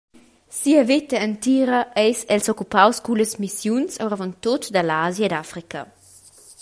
Sia veta entira eis el s’occupaus cullas missiuns, oravontut dall’Asia ed Africa.